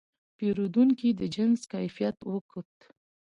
پیرودونکی د جنس کیفیت وکت.